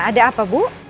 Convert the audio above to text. ada apa bu